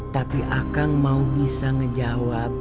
tapi akang mau bisa ngejawab